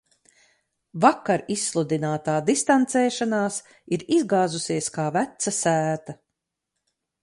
Vakar izsludinātā distancēšanās ir izgāzusies, kā veca sēta.